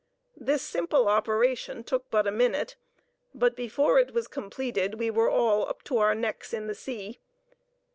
This simple operation took but a minute, but before it was completed we were all up to our necks in the sea.